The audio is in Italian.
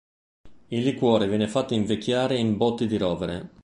Il liquore viene fatto invecchiare in botti di rovere.